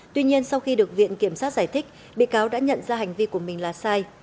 tuy nhiên sau khi được viện kiểm sát giải thích bị cáo đã nhận ra hành vi của mình là sai